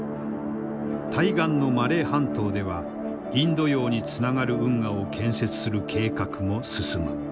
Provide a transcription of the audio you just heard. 対岸のマレー半島ではインド洋につながる運河を建設する計画も進む。